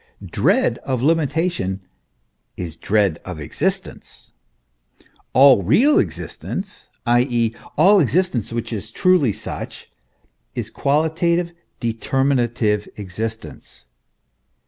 Dread of limitation is dread of existence. All real existence, i.e., all existence which is truly such, is qualitative, determinate existence.